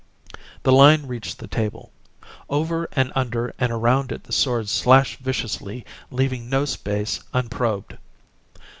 The line reached the table. Over and under and around it the swords slashed viciously, leaving no space unprobed.